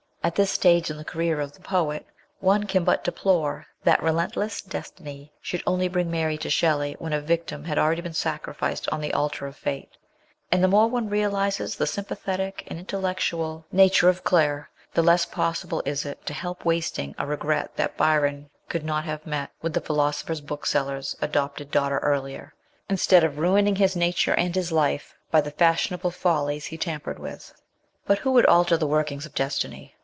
At this stage in the career of the poet one ran but deplore that relentless destiny should only bring Mary to Shelley when a victim had already been sacrificed on the altar of fate ; and the more one realises the sympathetic and intellectual nature of Claire, the less possible is it to help wasting a regret that Byron could not have met with the philosopher bookseller's adopted daughter earlier, instead of ruin ing his nature and his life by the fashionable follies he tampered with. But who would alter the workings of destiny